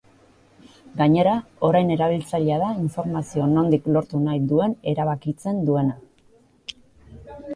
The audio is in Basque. Gainera, orain erabiltzailea da informazio nondik lortu nahi duen erabakitzen duena.